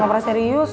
gak pernah serius